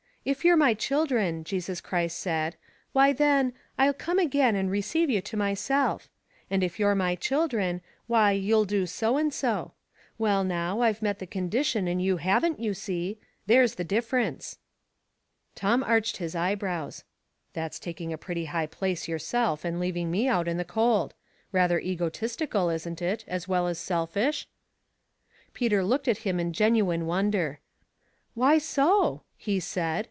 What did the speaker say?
* If you're my children,' Jesus Christ said, why then ' I'll come again and re ceive you to myself; ' and if you're my children, why you'll do so and so. Well, now, I've met the condition and you haven't, you see — there's the difference." Tom arched his eyebrows. "That's taking a pretty high place yourself 88 Household Puzzlei. and leaving me out in the cold. Rather egotist ical, isn't it, as well as selfish ?" Peter looked at him in genuine wonder. " Why so ?" he said.